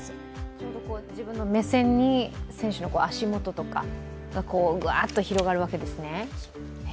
ちょうど自分の目線に選手の足元とかがぐわっと広がるわけですね。